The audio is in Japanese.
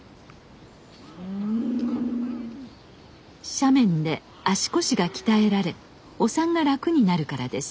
斜面で足腰が鍛えられお産が楽になるからです。